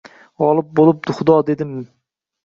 G’olib bo’lib Xudo dedim